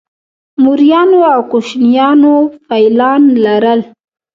موریانو او کوشانیانو فیلان لرل